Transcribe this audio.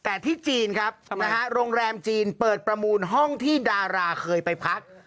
แต่ที่จีนครับนะฮะโรงแรมจีนเปิดประมูลห้องที่ดาราเคยไปพัก